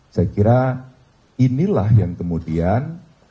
saya kira inilah yang kemudian